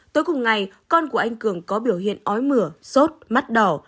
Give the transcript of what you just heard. tối cùng ngày con của anh cường có biểu hiện ói mửa sốt mắt đỏ